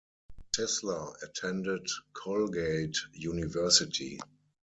Sisler attended Colgate University.